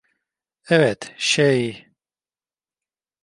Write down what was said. Evet, şey...